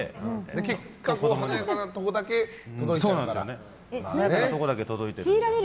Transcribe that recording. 結果、華やかなところだけ届いちゃうから。